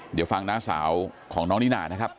เดี๋ยวฟังน้าสาวของน้องนิน่านะครับ